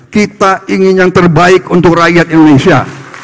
kita ingin yang terbaik untuk rakyat indonesia